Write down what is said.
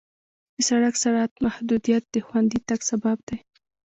د سړک سرعت محدودیت د خوندي تګ سبب دی.